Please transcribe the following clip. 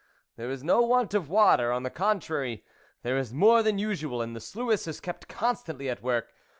there is no want of water ; on the contrary, there is more than usual, and the sluice is kept constantly at work.